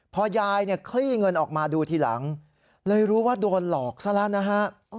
พอยายเนี่ยคลี่เงินออกมาดูทีหลังเลยรู้ว่าโดนหลอกซะแล้วนะฮะ